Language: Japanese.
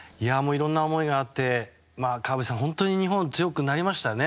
いろんな思いがあって川淵さん日本は本当に強くなりましたね。